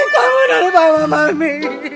kamu dari mama mami